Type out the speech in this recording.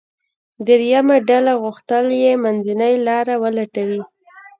درېیمه ډله غوښتل یې منځنۍ لاره ولټوي.